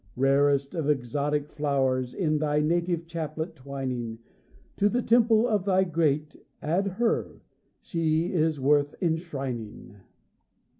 Rarest of exotic flowers In thy native chaplet twining, To the temple of thy great Add her she is worth enshrining.